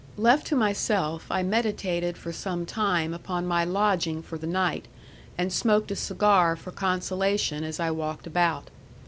Left to myself I meditated for some time upon my lodging for the night, and smoked a cigar for consolation as I walked about.